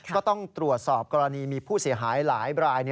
ก็ต้องตรวจสอบกรณีมีผู้เสียหายหลายราย